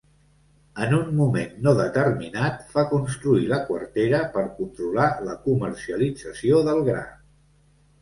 En un moment no determinat fa construir la quartera, per controlar la comercialització del gra.